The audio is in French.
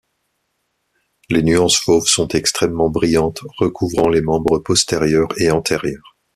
Les nuances fauves sont extrêmement brillantes, recouvrant les membres postérieurs et antérieurs.